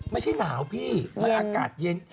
ไม่ใช่หนาวพี่มันอากาศเย็น